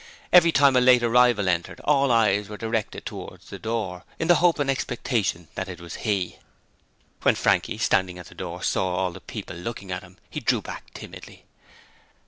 Every time a late arrival entered all eyes were directed towards the door in the hope and expectation that it was he. When Frankie, standing at the door, saw all the people looking at him he drew back timidly.